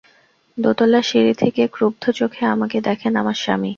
দোতলার সিঁড়ি থেকে ক্রুদ্ধ চোখে আমাকে দেখেন আমার স্বামী।